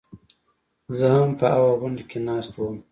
زه هم په هغه غونډه کې ناست وم.